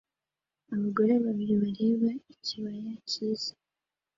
Abagore babiri bareba ikibaya cyiza